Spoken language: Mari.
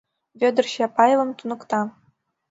— Вӧдыр Чапаевым туныкта.